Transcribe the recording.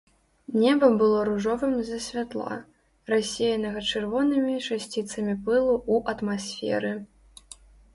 Неба было ружовым з-за святла, рассеянага чырвонымі часціцамі пылу ў атмасферы.